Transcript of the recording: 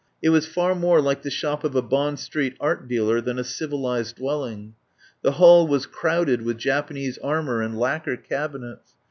It was far more like the shop of a Bond Street art dealer than a civilised dwelling. The hall was crowded with Japanese armour and lac quer cabinets.